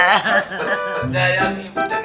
percaya umi percaya